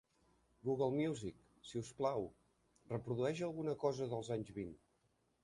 Google Music, si us plau, reprodueix alguna cosa dels anys vint